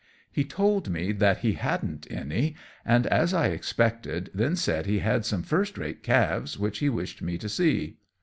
He told me that he hadn't any, and, as I expected, then said he had some first rate calves which he wished me to see.